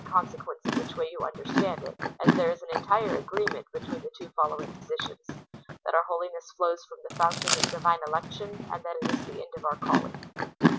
53 consequence in which Avay you understand it, as there is an entire agreement between the two following positions — that our holiness flows from the fountain of divine election, and that it is the end of our calling.